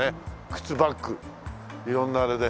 靴バッグ色んなあれで。